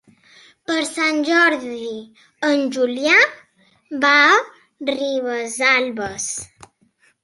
Per Sant Jordi en Julià va a Ribesalbes.